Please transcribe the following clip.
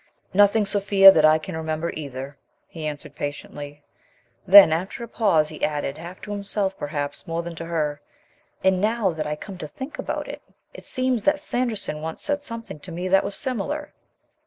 "Nothing, Sophia, that I can remember either," he answered patiently. Then, after a pause, he added, half to himself perhaps more than to her: "And, now that I come to think about it, it seems that Sanderson once said something to me that was similar.